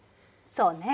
そうね。